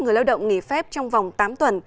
người lao động nghỉ phép trong vòng tám tuần